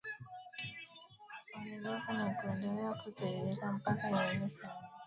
Orinoco na huendelea kutiririka mpaka iweze kuunda